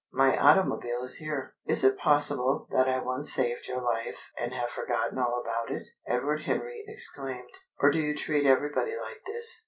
My automobile is here." "Is it possible that I once saved your life and have forgotten all about it?" Edward Henry exclaimed. "Or do you treat everybody like this?"